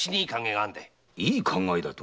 いい考えだと？